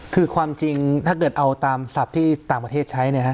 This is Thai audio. คือความจริงถ้าเกิดเอาตามศัพท์ที่ต่างประเทศใช้